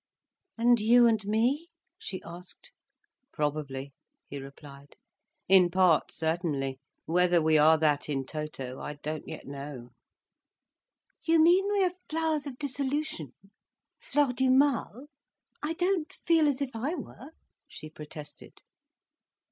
"And you and me—?" she asked. "Probably," he replied. "In part, certainly. Whether we are that, in toto, I don't yet know." "You mean we are flowers of dissolution—fleurs du mal? I don't feel as if I were," she protested.